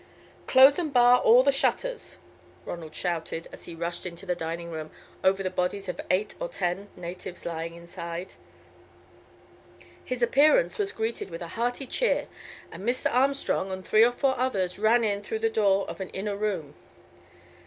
"Close and bar all the shutters," Ronald shouted, as he rushed into the dining room, over the bodies of eight or ten natives lying inside. His appearance was greeted with a hearty cheer, and Mr. Armstrong and three or four others ran in through the door of an inner room.